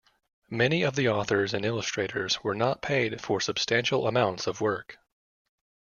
Many of the authors and illustrators were not paid for substantial amounts of work.